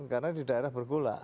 karena di daerah bergola